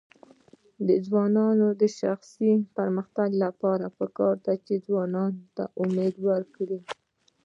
د ځوانانو د شخصي پرمختګ لپاره پکار ده چې ځوانانو ته امید ورکړي.